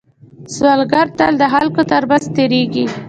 سوالګر تل د خلکو تر منځ تېرېږي